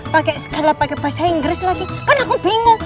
pake sekali pake bahasa inggris lagi kan aku bingung